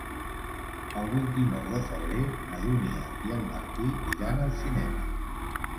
El vint-i-nou de febrer na Dúnia i en Martí iran al cinema.